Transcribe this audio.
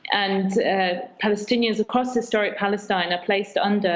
dan para palestina di seluruh palestine sejarah sejarah